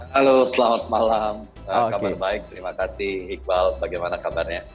halo selamat malam kabar baik terima kasih iqbal bagaimana kabarnya